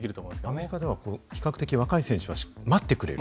アメリカでは比較的若い選手は待ってくれる？